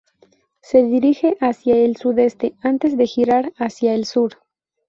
Se dirige hacia el sudeste antes de girar hacia el sur.